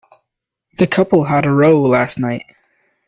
The couple had a row last night.